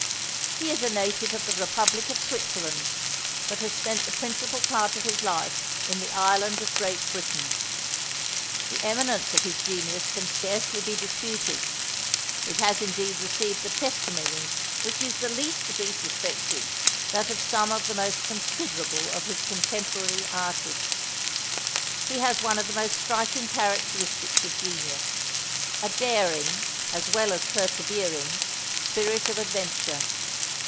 He is a native of the republic of Switzerland, but has spent the principal part of his life in the island of Great Britain. The eminence of his genius can scarcely be disputed; it has indeed received the testimony which is the least to be suspected, that of some of the most considerable of his contemporary artists. He has one of the most striking characteristics of genius, a daring, as well as persevering, spirit of adventure.